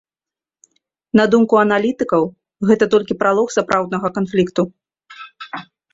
На думку аналітыкаў, гэта толькі пралог сапраўднага канфлікту.